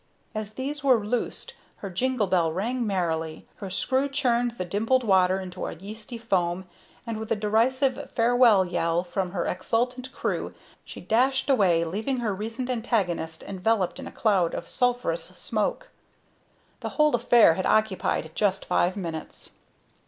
As these were loosed her jingle bell rang merrily, her screw churned the dimpled waters into a yeasty foam, and, with a derisive farewell yell from her exultant crew, she dashed away, leaving her recent antagonist enveloped in a cloud of sulphurous smoke. The whole affair had occupied just five minutes.